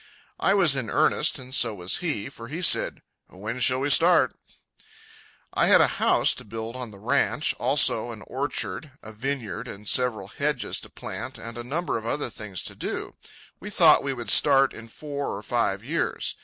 I was in earnest, and so was he, for he said: "When shall we start?" I had a house to build on the ranch, also an orchard, a vineyard, and several hedges to plant, and a number of other things to do. We thought we would start in four or five years.